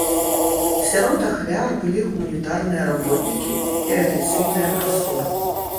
Сярод ахвяр былі гуманітарныя работнікі і афіцыйныя асобы.